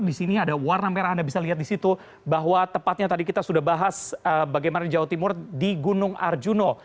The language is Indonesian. di sini ada warna merah anda bisa lihat di situ bahwa tepatnya tadi kita sudah bahas bagaimana di jawa timur di gunung arjuna